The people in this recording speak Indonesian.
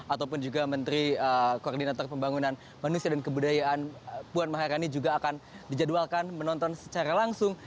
ataupun juga menteri koordinator pembangunan manusia dan kebudayaan puan maharani juga akan dijadwalkan menonton secara langsung